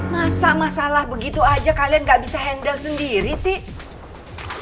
masa masalah begitu aja kalian gak bisa handle sendiri sih